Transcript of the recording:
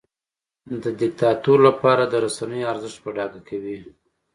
د دیکتاتور لپاره د رسنیو ارزښت په ډاګه کوي.